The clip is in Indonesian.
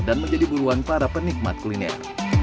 dan menjadi buruan para penikmat kuliner